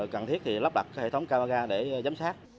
cần thiết thì lắp đặt hệ thống cao gà để giám sát